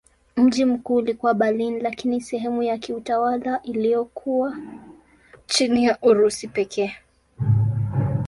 Mji mkuu ulikuwa Berlin lakini sehemu ya kiutawala iliyokuwa chini ya Urusi pekee.